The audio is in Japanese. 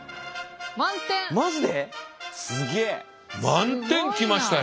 満点来ましたよ。